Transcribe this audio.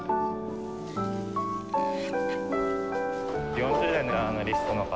４０代のジャーナリストの方。